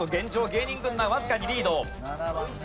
芸人軍団わずかにリード。